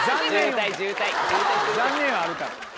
「残念」あるから。